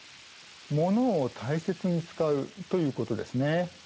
モノを大切に使うということですね。